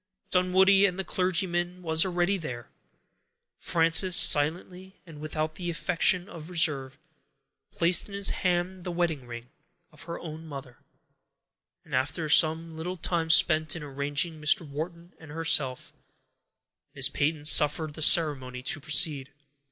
Dunwoodie and the clergyman were already there. Frances, silently, and without the affectation of reserve, placed in his hand the wedding ring of her own mother, and after some little time spent in arranging Mr. Wharton and herself, Miss Peyton suffered the ceremony to proceed.